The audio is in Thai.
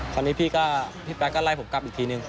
ตอนนี้พี่ก็พี่แป๊กก็ไล่ผมกลับอีกทีนึง